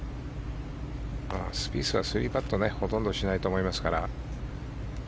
スピースは３パットほとんどしないと思いますから。